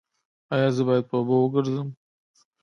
ایا زه باید په اوبو وګرځم؟